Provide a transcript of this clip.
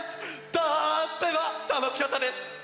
とってもたのしかったです！